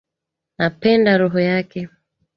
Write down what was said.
Napenda roho yake